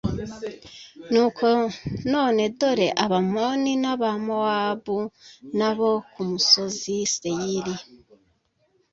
Nuko none dore Abamoni nAbamowabu nabo ku musozi Seyiri